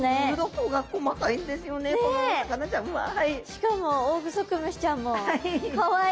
しかもオオグソクムシちゃんもかわいい。